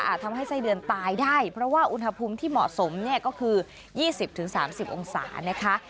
ทำให้ไส้เดือนตายได้เพราะว่าอุณหภูมิที่เหมาะสมเนี่ยก็คือ๒๐๓๐องศานะคะ